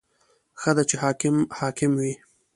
• ښه ده چې حاکم حاکم وي.